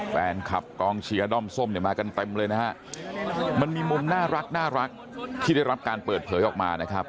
แฟนคลับกองเชียร์ด้อมส้มเนี่ยมากันเต็มเลยนะฮะมันมีมุมน่ารักที่ได้รับการเปิดเผยออกมานะครับ